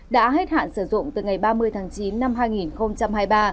đã hết hạn sử dụng từ ngày ba mươi tháng chín năm hai nghìn hai mươi ba